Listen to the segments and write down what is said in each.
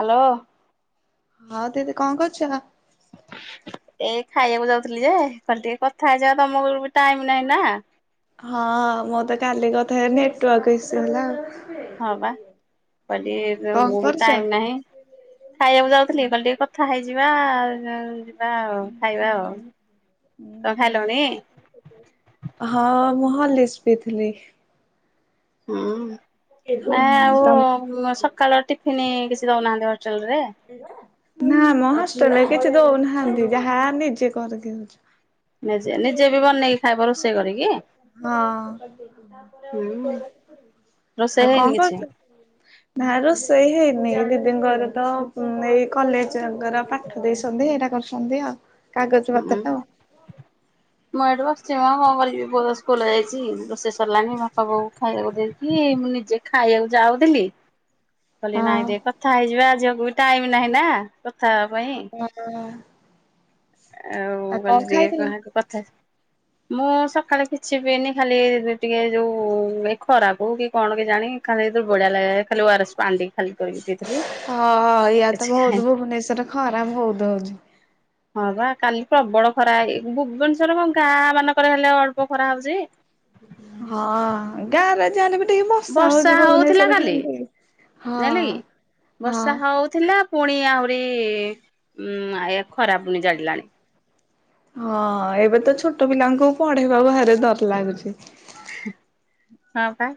Hello. ହଁ ଦିଦି କଣ କରୁଛ? ଏଇ ଖାଇବାକୁ ଯାଉଥିଲି ଯେ କହିଲି ଟିକେ କଥା ହେଇଯାଏ ଦଶ ପନ୍ଦ ହଁ ମୋ ତ କାଲି କଥା ହେଇନି ନେଟୱର୍କ ଇଶୁ ହେଲା। ହଁ ବା, କହିଲି କଣ ମୁଁ ବି କରୁଛ? ଟାଇମ ନାହିଁ। ଖାଇବାକୁ ଯାଉଥିଲି କହିଲି ଟିକେ କଥା ହୋଇଯିବା ଆଉ। ଯିବା ଆଉ ଖାଇବା ଆଉ ତମେ କଣ ଖାଇଲନି? ହଲିସ୍ ପିଇଥିଲି। ହୁଁ ଆ ଆଉ ସକାଳ ଟିଫିନ କିଛି ଦଉନାହାନ୍ତି ଘରେ ନା ମ ହଷ୍ଟେଲ କିଛି ଦଉନାହାନ୍ତି ଯାହା ନିଜେ କରି ଦଉଛୁ। ନିଜେ ନିଜେ ବି ବନେଇକି ଖାଇବ ରୋଷେଇ କରିକି? ହୁଁ ହଁ। ଆଉ ରୋଷେଇ କଣ ହେଇନି କିଛି? କରୁଛୁ? ନା ରୋଷେଇ ହେଇନି ଦିଦିଙ୍କ ଘର ତ ଏଇ କଲେଜଙ୍କର ପାଠ ଦେଇଛନ୍ତି ହେଇଟା କରୁଛନ୍ତି ଆଉ। କାଗଜ ହୁଁ ପତ୍ର ଆଉ ମୁଁ ଏଠି ବ ବସିଚି ମ କନ କରିବି ପୁଅତ ସ୍କୁଲ ଯାଇଛି ରୋଷେଇ ସରିଲାଣି ବାପା ବୋଉକୁ ଖାଇବାକୁ ଦେଇକି ମୁଁ ନିଜେ ଖା ଖାଇବାକୁ ଯାଉଥିଲି କହିଲି ହଁ। ନାଇଁ କଥା ହେଇଯିବା ଝିଅକୁ ବି ଟାଇମ ନାହିଁ ନା? କଥା ହେବା ପାଇଁ ହଁ। ଆଉ କଣ କହିଲି ଖାଇଥିଲ? ଟିକେ କଥା ମୁଁ ସକାଳେ କିଛି ପିଇନି ଖାଲି ଟିକେ ଯୋଉ ଏ ଖରାପ ହଉ କି କଣ କି ଜାଣି। ଖାଲି ଦୂର୍ବଳିଆ ଲାଗିଲା ଯେ ଖାଲି ଓରାସ ପାଣି ଟିକ୍ ହଁ ୟା ତ କିଛି ଖାଇନି। ବହୁତ ଭୁବନେଶ୍ଵରରେ ଖରା ବହୁତ ହଉଛି। ହଁ ବା କାଲି ପ୍ରବଳ ଖରା ହେଇ ଭୁବନେଶ୍ଵର କଣ ଗାଁ ମାନଙ୍କରେ ହେଲେ ଅଳ୍ପ ଖରା ହଉଛି। ହଁ ଗାଁରେ ଯାହା ହେଲେବି ବର୍ଷା ହଉଥିଲା କାଲି ଜାଣିଲ ହଁ କି ହଁ। ବର୍ଷା ହଉଥିଲା ପୁଣି ଆହୁରି ଉ ଆ ଖରାପୁନି ଜାଳିଲାଣି। ହଁ ଏବେ ତ ଛୋଟ ପିଲାଙ୍କୁ ପଢେଇବା ଭାରି ଡର ଲାଗୁଛି। ହଁ ପା।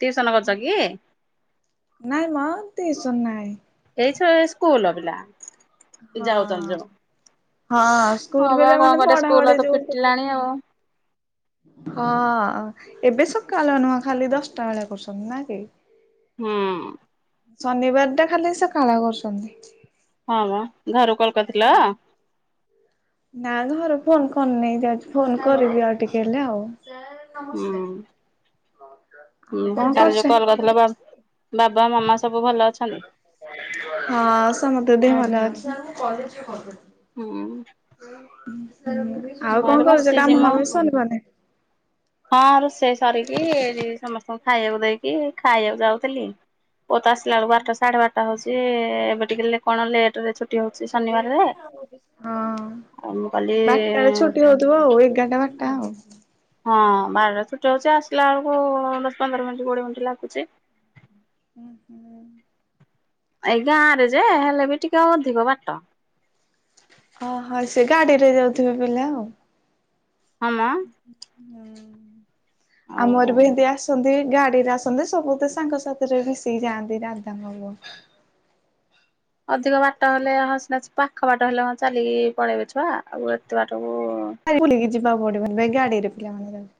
ଟିଉସନ କରୁଛ କି ନାଇଁ ମ ଟ୍ୟୁସନ ନାଇଁ। ଏ ଛୁଆ ସ୍କୁଲ ର ପିଲା। ହଁ। ଯାଉଛନ୍ତି ଯୋଉ। ହଁ ହଁ ସ୍କୁଲ ବା କଣ ପିଲାମାନେ କରିବା ପଢା ସ୍କୁଲ ପଢି ତ ଯଉ ଫିଟିଲାଣି ଆଉ। ହଁ ଏବେ ସକାଳ ନୁହଁ ଖାଲି ଦଶଟା ବେଲୁଆ କରୁଛନ୍ତି ନାଁ କି? ହୁଁ। ଶନିବାର ଟା ଖାଲି ସକାଳେ କରୁଛନ୍ତି। ହଁ ବା ଘରୁ କଲ୍ କରିଥିଲ? ନା ଘର ଫୋନ କରି ନେଇ ଯାଉଛି ଫୋନ କରିବି ଆଉ ଟିକେ ହେଲେ ଆଉ। ଆଉ ହଁ କଣ କାଲି କରୁଛ ଯୋଉ କଲ କରିଥିଲା ବା ବା ହଁ ସମତେ ଦେହ ଭଲ ଅଛି। ହୁଁ। ହୁଁ ଆଉ ମୁଁ ଏଠି କଣ କରୁଛ ବସିଛି କାମ ମ। ଫାମ ସରିବନି? ହଁ ରୋଷେଇ ସରିକି ଏ ସମସ୍ତଙ୍କୁ ଖାଇବାକୁ ଦେଇକି ଖାଇବାକୁ ଯାଉ ଥିଲି। ପୁଅ ତ ଆସିଲା ବେଳକୁ ବାରଟା ସାଢେ ବାରଟା ହଉଛି ଏବେ ଟିକେ ହେଲେ କଣ ଲେଟରେ ଛୁଟି ହଉଛି ଶନିବାରଯେ। ହଁ ବାରଟାରେ ଛୁଟି ହଉଥିବ ଆଉ ଏଗାରଟା ବାରଟା ଆଉ। ହଁ ବାରଟା ଛୁଟି ହଉଛି ଆସିଲା ବେଳକୁ ଦଶ ପନ୍ଦର ମିନିଟ କୋଡିଏ ମିନିଟ୍ ଲାଗୁଛି। ହୁଁ ହୁଁ। ଏଇ ଗାଁ ରେ ଯେ ହେଲେ ବି ଟିକେ ଅଧିକ ବାଟ। ଓଁହଁ ସେ ଗାଡି ରେ ଯାଉଥିବେ ପିଲା ଆଉ। ହମ। ହୁଁ ଆମର ବି ଏମତି ଆସନ୍ତି ଗାଡି ରେ ଆସନ୍ତି ସବୁ ତ ସାଙ୍ଗସଥି ରେ ମିଶିକି ଯାଆନ୍ତି ରାଧା କାଓ। ଅଧିକ ବାଟ ହେଲେ ହସିନା ପାଖ ବାଟ ହେଲେ ହ ଚାଲିକି ପଳେଇବେ ଛୁଆ ଆଉ ଏତେ ବାଟ କୁ ବୁଲିକି ଯିବାକୁ ପଡିବନି ଏ ଗାଡ଼ିରେ ପିଲାମାନେ ଯାଉଛନ୍ତି।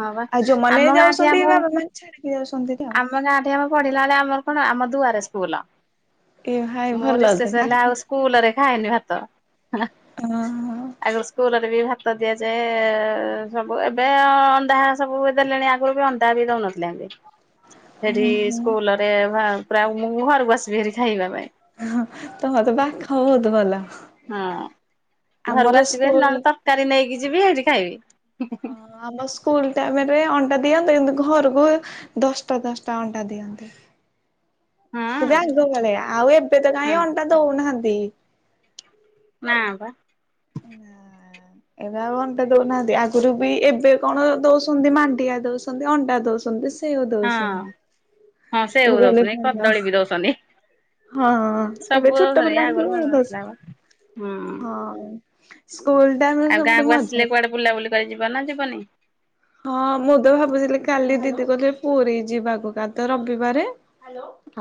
ହଁ ବା ଆଉ ଯୋଉମାନେ ଆମ ଗାଁଠି ଯାଉଛନ୍ତି ଆମ ବାବାମାନେ ଛାଡିକି ଯାଉଛନ୍ତି ଆଉ। ଆମ ଗାଁଠି ଆମ ପଢିଲା ବେଳେ ଆମର କଣ ଆମ ଦୁଆରେ ସୁଆଲା ଏ ଭାଇ ମୋ ଭଲ ତ ରିଶେଷ ହେଲେ ପାଖ ଆଉ ସ୍କୁଲରେ ଖାଏନି ଭାତ। ଓହୋ ଆଗ ସ୍କୁଲରେ ବି ଭା ତ ଦିଆଯାଏ ସବୁ ଏବେ ଅନ୍ଧା ସବୁ ଦେଲେଣି ଆଗରୁ ବି ଅନ୍ଧା ବି ଦୋଉନ ସେଠି ହୁଁ ହୁଁ ସ୍କୁଲରେ ଭା ପ୍ରାୟ ମୁଁ ଘରକୁ ଆସିବି ହାରି ଖାଇବା ପାଇଁ। ହ ତମର ତପାଖ ବହୁତ ଭଲ। ହଁ ଆମର ଘରକୁ ଆସିବି ସ୍କୁଲ ନହେଲେ ତରକାରୀ ନେଇକି ଯିବି ହେଇଠି ଖାଇବି। ହଁ ଆମ ସ୍କୁଲ ମରେ ଅଣ୍ଟା ଦିଅନ୍ତୁ କିନ୍ତତି ଘରକୁ ଦଶଟା ଦଶଟା ଅଟା ଦିଅନ୍ତେ। ହଁ କିନ୍ତୁ ଆଗ ଭଳିଆ ଆଉ ଏବେ ତ ହଁ କାଇଁ ଅଣ୍ଡା ଦୋଉନାହାନ୍ତି। ନାଁ ପା। ନା। ଏବେ ଆଉ ଅଣ୍ଡା ଦୋଉନାହାନ୍ତି ଆଗରୁ ବି ଏବେ କଣ ଦୋଉଛନ୍ତି ମାଣ୍ଡିଆ ଦୋଉଛନ୍ତି ଅଣ୍ଣ୍ଡା ଦୋଉଛନ୍ତି। ଇଏରୁ ହଁ ଦୋଉଛନ୍ତି। ହଁ ସେଉ ଦୋଉଛନ୍ତି କଦଳୀ ବି ଦୋଉଛନ୍ତି। ହଁ ଏବେ ଛୋଟ ପିଲାଙ୍କୁ ଦୋଉ ମିଳୁନଥିଲା ବା ହୁଁ ହଁ। ସ୍କୁଲ ଟାଇମରେ ଆଉ ଗାଁ ସବୁଠୁ କକୁ ମଜା ଆସିଲେ କୁଆଡେ ବୁଲାବୁଲି କରି ଯିବ ନା ଯିବନି ହଁ ମୁଁ ତ ଭାବୁଥିଲି କାଲି ଦିଦି କହିଲେ ପୁରୀ ଯିବାକୁ କାଲି ତ ରବିବାରେ।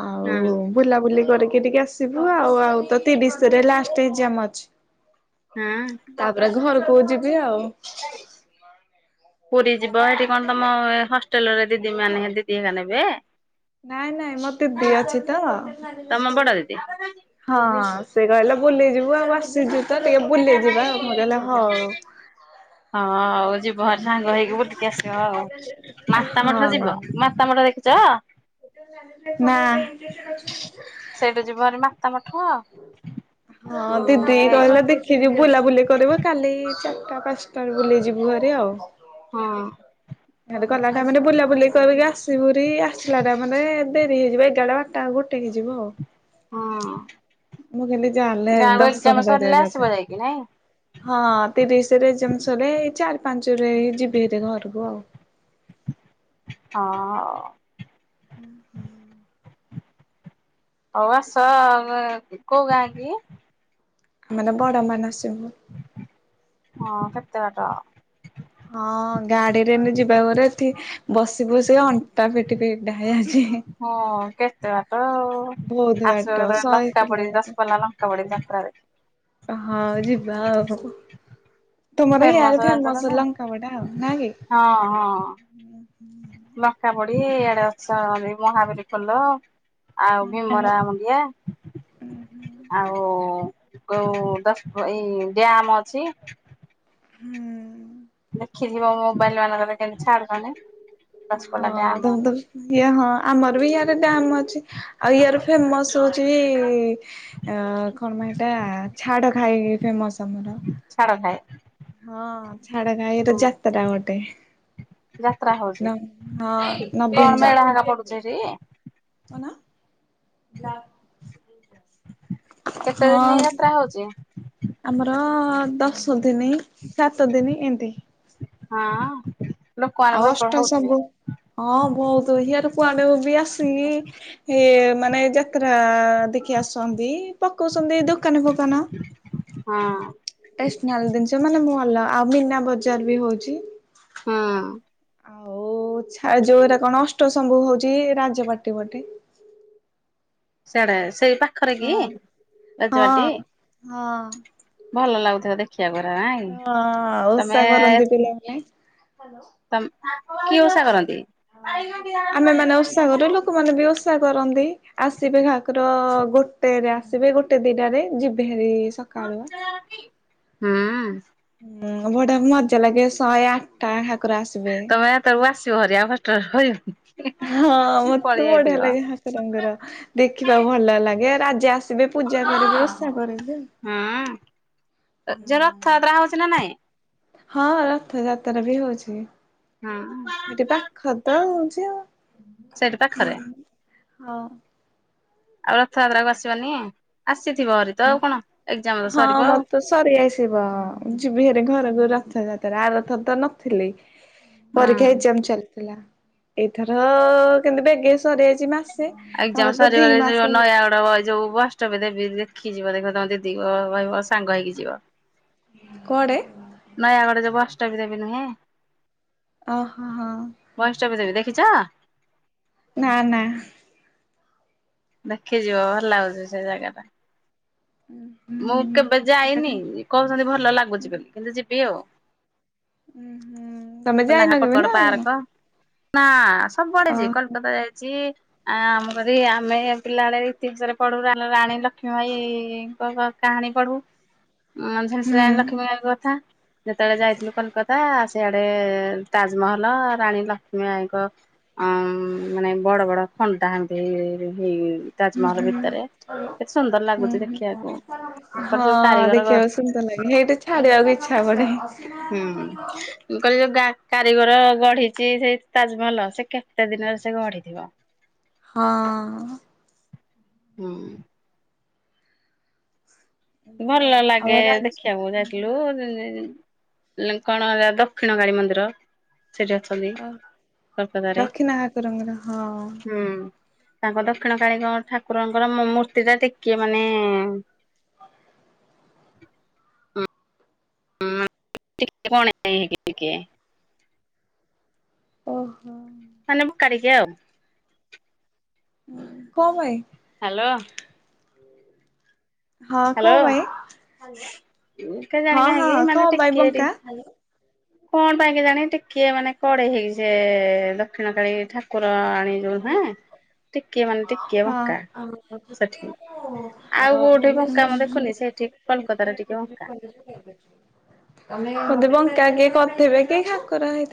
ଆଉ ହଁ ବୁଲାବୁଲି କରିକି ଟିକେ ଆସିବୁ ଆଉ ଆଉ ତ ତିରିଶ ଲାଷ୍ଟଜାମ ଅଛି। ହଁ ତାପରେ ଘରକୁ ଯିବି ଆଉ। ପୁରୀ ଯିବ ସେଇଠି କଣ ତମ ହଷ୍ଟେଲରେ ଦିଦି ମାନେ ଦିଦି ନେବେ ନାଇଁ ନାଇଁ ମୋ ଦିଦି ଅଛି ତ ତମ ବଡ ଦିଦି ହଁ। ସେ କହିଲା ବୁଲେଇ ଯିବୁ ଆଉ ଆସିଚୁ [inaudible] ହଁ। ହଁ ହଉ ଯିବ ଭରେ ସାଙ୍ଗ ହେଇକି ବୁଟିକି ଆସିବ ଆଉ ମାତା ହଁ ମଠ ଯିବ ମାତା ମଠ ଦେଖ ଚ। ନା। ସେଇଟା ଯିବ ଭାରି ମାତା ମଠୁ ହଁ ଦିଦି କହିଲା ଦେଖିକି ବୁଲାବୁଲି କରିବୁ କାଲି ଟା ପାଞ୍ଚଟାରେ ବୁଲେଇ ଯିବୁ ହାରି ଆଉ। ହୁଁ ହେଟୁ ଗଲା ଟ ମେ ବୁଲା ବୁଲି କରିକି ଆସିବୁରରି ଆସିଲା ଟା ମେ ଦେଡରି ହେଇଯିବ ଏଗାଡେ ବଟା ଗୋଟେ ଟେ ହେଇଯିବ ଆଉ। ହୁଁ ମୁଁ ଦିନେ ଚାଣିଲେ ଗାଁକୁ ଏକ୍ଜାମ ଦର୍ଶନ କରିବା ସରିଲେ ଆସିବ ଜପାରେ ଯାଇକି ନାଇଁ ହଁ ତିରିଶରେ [unintelligible] ଚାରି ପାଞ୍ଚ ରେ ଯିବେ ହେ ଘରକୁ ଆଉ। ହଁ। ହୁଁ ହୁଁ। ହୋଉ ଆ ସ କୋଉ ଗାଁ କି? ଆମ ଗାଁ ବଡମାନସିଂପୁର। ହଁ କେତେବାଟ ହଁ ଗାଡିରେ ଏମତି ଯିବା ପରେ ଏଠି ବସିବସିଅଣ୍ଟା ଫିଟି ପିଟା ହେଇଯାଉଛି। ହଁ କେତେ ବାଟ ବହୁତ ଟ ବାଟ ଆସ ଶହେ ଲଙ୍କାପଡ଼ି କିଲୋମିଟର ଦଶ ପଲା ଲଙ୍କାପଡ଼ି ଯାତ୍ରାରେ ହଁ ଯିବା ଆଉ। ତୁମର ହିୟାଡେ ଜାଣିଛ ନା ଫେମସ ନାଇଁ? ଲଙ୍କା ବଡି ଆଉ ନାଁ କି? ହଁ ହଁ ଲଙ୍କା ବଢି ଆଡେ ଅଛି ମହାବୀରୀ ପୋହ। ଆଉ ହୁଁ ଭିମରା ମୁଣ୍ଡିଆ ଆଉ ଯୋଉ ଇ ଦଶ ଏଇ ଡ୍ୟାମ ଅଛି। ହୁଁ। ଦେଖିଥିବ ମୋବାଇଲ ମାନଙ୍କରେ କେମତି ଛାଡୁଛନ୍ତି। ଦଶପଲ୍ଲା ହଁ ଡ୍ୟାମ ତମେତ ଇଏ ହଁ ଆମର ବି ୟାଡେ ଡ୍ୟାମ ଅଛି ଆଉ ୟାର ଫେମସ ହୋ ହୋଉଚି ଏ ଅ କଣ ପାଇଁ ଏଟା ଛାଡଖାଇ ଫେମସ ମୋର। ଛାଡ ଖାଏ ହଁ ଛାଡଖାଇର ହୁଁ ଯାତ୍ରା ଗୋଟେ। ଯାତ୍ରା ହଉଛି। ନ ହଁ କଣ ନବୀନ ମେଳା ହେକା ପଡୁଛି ସେଠି? କେତେ ଦିନ ହଁ। ଯାତ୍ରା ହଉଛି? ହଁ ଦଶ ଦିନି ସାତ ଦିନି ଏନତି। ହଁ। ଲୋକମାନେ ଆଉ ପ୍ରବଳ ଅଜଠୁ ହଉଥିବେ। ସବୁ ହଁ ବୋହୁତ ହିଆର କୁଆଡେ ବି ଆସିନି ଏ ମାନେ ଯାତ୍ରା ଦେଖି ଆସନ୍ତି ପକୋଉଚନ୍ତି ଦୋକାନୀ ଫୋକାନ। ହଁ ଷ୍ଟେସନାରୀ ଦିନିଷ ମାନେ ଭଲ ଆଉ ମିନା ବଜାର ବି ହୋଉଚି। ହଁ। ଆଉ ଛା-ଆଉ ଯୋଉରାକ ନଷ୍ଟ ସବୁ ହୋଉଚି ରାଜବାଟୀ ପଟେ ସ୍ୟାଡେ ସେଇ ପାଖରେ କି ହଁ ହଁ ରାଜବାଟୀ? ହଁ। ଭଲ ଲାଗୁିଥିବ ଦେଖିବାକୁ ଏରା ନାଇଁ ହଁ ଓଷା ତମେ କରନ୍ତି ପିଲାମାନେ। ତମ୍ କିଏ ଓଷା କରନ୍ତି? ଆମେମାନେ ଓଷା କରୁ ଲୋକମାନେ ବି ଓଷା କରନ୍ତି ଆସିବେ ଠାକୁର ଗୋଟେରେ ଆସିବେ ଗୋଟେ ଦିଟାରେ ଯିବେ ଏଇ ସକାଳୁଆ। ହୁଁ ହୁଁ ବଢିଆ ମଜା ଲାଗେ ଶହେ ଆଟଟା ହା ତମେ ଆ ତାକୁ ଆସିବ ଭାରି ଆଉ ହଷ୍ଟେଲରେ ରିହିବ ହଁ ମତେ ବଢିଆ ଲାଗେ ଠାକୁରଙ୍କର ଦେଖିବା ଭଲ ଲାଗେ ରାଜା ଆସ୍ ଏବେ ପୂଜା କରିକି ଓଷା କରେ ଯେ ହୁଁ। ଯୋଉ ରଥଯାତ୍ରା ହଉଛି ନା ନାଇଁ ହଁ ରଥଯାତ୍ରା ବି ହୋଉଛି। ହୁଁ ଏଠି ପାଖତ ହୋଉଛି ଆଉ। ସେଇଠି ପାଖରେ ହଁ। ଆଉ ରଥଯାତ୍ରାକୁ ଆସିବନି ଆସ୍ ଉଁ ହଁ ଆଉ। ମୋରତ ସରିଆସିବ ଯିବି ହାରି ଘରକୁ ରଥ ଯାତ୍ ତରା ଆରଥର ତ ନଥିଲି ପରୀକ୍ଷା ହୁଁ ଏଗଜାମ୍ ଚାଲିଥିଲା। ଏଇଥର କିନ୍ତୁ ବେଗେ ସରିଯାଇଚି ମାସ୍ ଏଗଜାମ୍ ସରିଗଲେ ଯୋଉ ନୟାଗଡ ବ-ଯୋଉ ବୈଷ୍ଟବି ଦେବୀ ଦେ ଖି ଯିବ ଦେଖ ତମ ଦିଦିଙ୍କ କହିବ ସାଙ୍ଗ ହେଇକି ଯିବ। କୁଆଡେ? ନୟାଗଡରେ ଯୋଉ ବୈଷ୍ଟବି ଦେବୀ ନୁହଁ। ଓହୋ ହଁ। ଦେଖିଚ? ନା ନା। ଦେଖିଯିବ ଭଲ ଲାଗୁଚି ସେ ଜାଗାଟା। ମୁଁ ହୁଁ କେବେ ଯାହାକୁ ଯାଇନି କୋହୁଚନ୍ତି ଭଲ ଲାଗୁଚି ବୋଲି କିନ୍ତୁ ଯିବି ଆଉ। ଉଁ ହୁଁ ତମେ କଣ ଯାଇନ ନାହାକ କେବେ କଡ ନା କଣ? ପାର୍କ। ନା ସବୁଆଡେ ଅ ଯିଏ ହୁଁ କଲକତା ଯାଇଚି ଆ ଆମ କରି ଆମେ ପିଲାବେଳେ ଇତିହାସରେ ପଢୁ ରାନ-ରାଣୀ ଲକ୍ଷ୍ମୀବାଇ କ-ଙ୍କ କାହାଣୀ ପଢୁ ଉଁ ସେମିତି ସେ ରାଣୀ ହୁଁ ଲକ୍ଷ୍ମୀବାଇଙ୍କ କଥା। ଯେତେବେଳେ ଯାଇଥିଲୁ କଲକାତା ସିଆଡେ ତାଜମହଲ ରାଣୀ ଲକ୍ଷ୍ମୀବାଇଙ୍କ ଅ ମାନେ ବଡ ବଡ ଖଣ୍ଡା ଏମତି ହେଇ ତାଜମହଲ ଭିତରେ କେତେ ସୁନ୍ଦର ଲାଗୁଚି ହୁଁ। ଦେଖିବା ହଁ ଦେଖିବାକୁ ସୁନ୍ଦର ଲାଗେ ସେଇଟୁ ଛାଡିବାକୁ ଇଚ୍ଛା ପଡେ। ହୁଁ ମୁଁ କହିଲି ଯୋଉ କାରିଗର ଗଢିଛି ସେଇ ତାଜମହଲ, ସେ କେତେ ଦିନରେ ସେ ଗଢିଥିବ। ହଁ। ହୁଁ। ଏମତି ଭଲ ଆଉ ଲାଗେ ଆଉ ରାଜ ଦେଖିବାକୁ ଯାଇଥିଲୁ ଉମ୍-ଉମ୍। କଣ ହେଲା ଦକ୍ଷିଣ କାଳୀ ମନ୍ଦିର। ସେଠି ଅଛନ୍ତି ଅ କଲକତାରେ ଦକ୍ଷିଣ ଠାକୁରଙ୍କର ହଁ ହୁଁ। ତାଙ୍କ ଦକ୍ଷିଣଙ୍କ କାଳୀ ଠାକୁରଙ୍କର ମୂର୍ତ୍ତିଟା ଟିକେ ମାନେ ଉଁ ଟିକେ କଣ କେଇକି ଟିକେ। ଓ। ମାନେ ବଙ୍କା ଟିକେ ଆଉ। କଁ ପାଇଁ? ହାଲୋ। ହଁ କଁ ପାଇଁ ହାଲୋ କେଜାଣି କାହିଁକି ହଁ-ହଁ କଁ ମାନେ ପାଇଁ ଟିକିଏ ଟି ବଙ୍କା? କଣ ପାଇଁ କେଜାଣି ଟିକେ ମାନେ କଡେଇ ହେଇକ ଯେ ଦକ୍ଷିଣ କାଳୀ ଠାକୁର [unintelligible] ମୁହାଁ। ଟିକେ ମାନେ ଟିକେ ହଁ ବଙ୍କା ସେଠି, ଆଉ କୋଉଠି ବଙ୍କା ମୁଁ ଦେଖୁନି ସେ ଏଠି କୋଲକାତାରେ ଟିକେ ବଙ୍କା। [unintelligible] ବଙ୍କା କିଏ କରିଥିବେ କି ଠାକୁର ହେଇ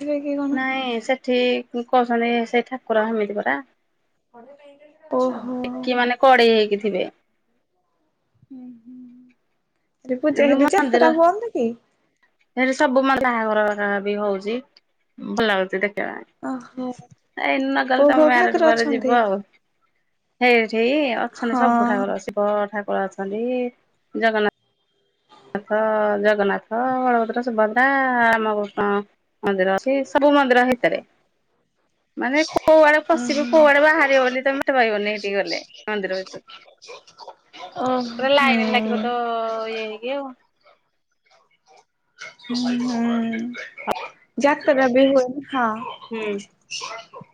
ନାଇଁ ସେଠି କହୁଛନ୍ତି ସେ ଠାକୁର ହେମିତି ପରା, ଓହୋ ଟିକେ ମାନେ କଡେଇ ହେଇକିରି। ଥିବେ। ହୁଁ ହୁଁ। କିନ୍ତୁ ମନ୍ଦିର ସେଠି ସବୁ [unintelligible] ବାହାଘର ଯାହା ବି ହଉଚି ଭଲ ଲାଗୁଚି ଦେଖ ଓହୋ ଏଇ ନଗଲେ କୋଉ ତମ କୋଉ ମ୍ୟାରେଜ ଘାକରେ ପରେ ଅଛନ୍ତି? ଯିବ ଆଉ। ସେଇଠି ଅଛନ୍ତି ହଁ ସବୁ ଠାକୁର ଶିବ ଠାକୁର ଅଛନ୍ତି, ଜଗ ନାଥ ଜଗନ୍ନାଥ, ବଳଭଦ୍ର, ସୁଭଦ୍ରା ମାଉସୀ ମା ମନ୍ଦିର ଅଛି, ସବୁ ମନ୍ଦିର ହେଇଥିରେ। ମାନେ କୋଉଆଡେ ପସିବ ଓହୋ କୋଉଆଡେ ବାହାରିବ ବୋଲି ତମେ ବାଟ ପାଇବନି ସେଠିକି ଗଲେ ମନ୍ଦିର ଭିତରୁ। ହୁଁ ତମେ ଲାଇନି ଲାଗିବ ତ ଏଇ [unintelligible] ଉଁ-ହୁଁ ଯାତରା ବି ହୁଏ। ହୁଁ। ହଁ।